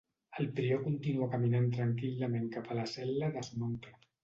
El prior continua caminant tranquil·lament cap a la cel·la de son oncle.